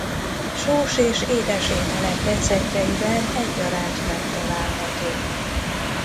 Sós és édes ételek receptjeiben egyaránt megtalálható.